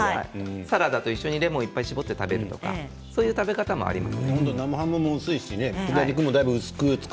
サラダと一緒にレモンをいっぱい絞って食べるという食べ方もあります。